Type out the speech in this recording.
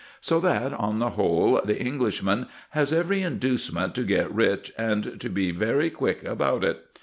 So that, on the whole, the Englishman has every inducement to get rich and to be very quick about it.